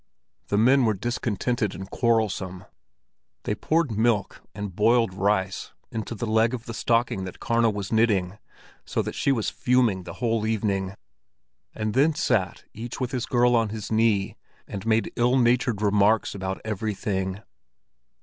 The men were discontented and quarrelsome. They poured milk and boiled rice into the leg of the stocking that Karna was knitting, so that she was fuming the whole evening; and then sat each with his girl on his knee, and made ill natured remarks about everything.